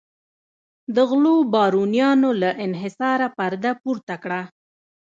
د غلو بارونیانو له انحصاره پرده پورته کړه.